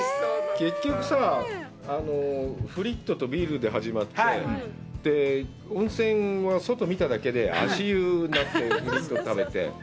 結局さぁ、フリットとビールで始まって、温泉は、外見ただけで、足湯になって、食べて。